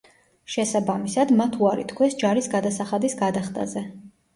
შესაბამისად მათ უარი თქვეს ჯარის გადასახადის გადახდაზე.